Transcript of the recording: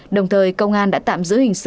đồng thời công an đã tạm giữ hình sửa